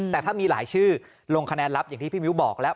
แต่ถ้ามีหลายชื่อลงคะแนนลับอย่างที่พี่มิ้วบอกแล้ว